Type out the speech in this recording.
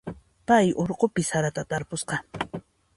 Pay urqupi sarata tarpusqa.